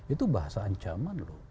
itu bahasa ancaman loh